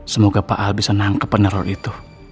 semoga pak aha bisa nangkep peneror itu